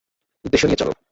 উদ্দেশ্য নিয়ে চলো।